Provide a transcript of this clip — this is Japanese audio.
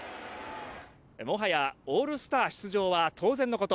もはやオールスター出場は当然のこと。